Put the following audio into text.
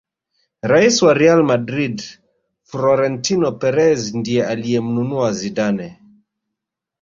rais wa real madrid Frorentino Perez ndiye aliyemnunua Zidane